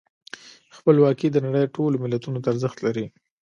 خپلواکي د نړۍ ټولو ملتونو ته ارزښت لري.